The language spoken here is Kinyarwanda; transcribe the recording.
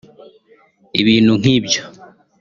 ibintu nk’ibyo”